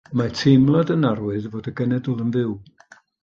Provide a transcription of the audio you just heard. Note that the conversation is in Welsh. Y mae teimlad yn arwydd fod y genedl yn fyw.